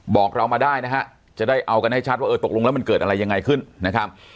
บอกเรามาได้นะฮะจะได้เอากันให้ชัดว่าเออตกลงแล้วมันเกิดอะไรยังไงขึ้นนะครับ